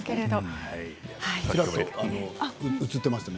映っていましたね